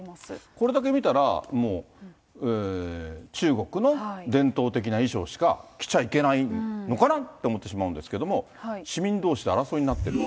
これだけ見たら、もう中国の伝統的な衣装しか着ちゃいけないのかなと思ってしまうんですけど、市民どうしで争いになっていると。